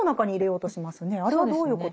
あれはどういうことですか？